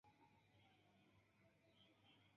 Kiu havas belajn okulojn, freneze amas spegulojn.